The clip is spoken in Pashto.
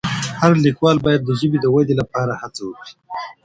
هر لیکوال باید د ژبې د ودې لپاره هڅه وکړي.